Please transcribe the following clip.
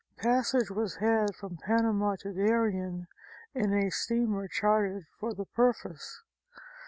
Passage was had from Panama to Darien in a steamer chartered for the purpose.